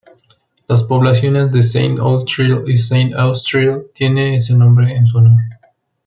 Las poblaciones de Saint-Outrille y Saint-Aoustrille tiene ese nombre en su honor.